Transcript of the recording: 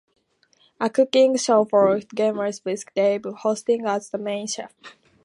A cooking show for gamers with Dave hosting as the main chef.